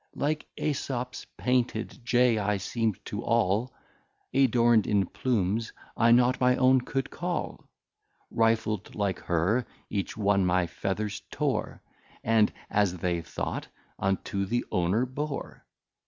Like Esops Painted Jay I seem'd to all, Adorn'd in Plumes, I not my own could call: Rifl'd like her, each one my Feathers tore, And, as they thought, unto the Owner bore.